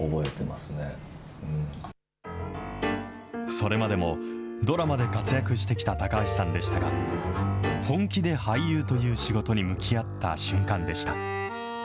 それまでもドラマで活躍してきた高橋さんでしたが、本気で俳優という仕事に向き合った瞬間でした。